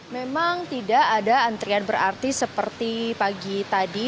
memang tidak ada antrian berarti seperti pagi tadi